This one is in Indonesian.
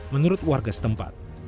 menurut warga setempat